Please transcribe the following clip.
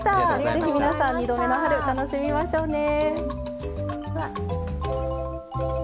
ぜひ皆さん「２度目の春」楽しみましょうね。